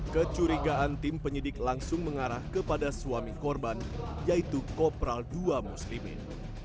kecurigaan tim penyidik langsung mengarah kepada suami korban yaitu kopral ii muslimin